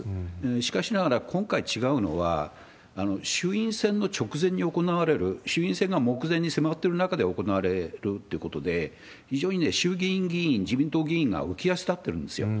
しかしながら今回、違うのは、衆院選の直前に行われる、衆院選が目前に迫ってる中で行われるっていうことで、非常に衆議院議員、自民党議員が浮足立ってるんですよ。